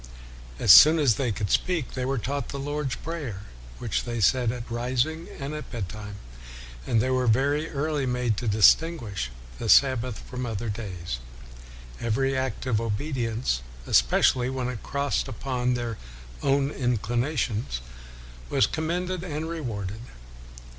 As soon as they could speak, they were taught the Lord's Prayer, which they said at rising and at bedtime, and " they were very early made to distinguish the Sabbath from other days." Every act of obedience, " espe cially when it crossed upon their own in clinations," was commended and rewarded.